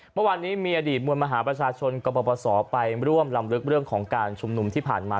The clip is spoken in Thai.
เมื่อวานนี้มีอดีตมวลมหาประชาชนกรปศไปร่วมลำลึกเรื่องของการชุมนุมที่ผ่านมา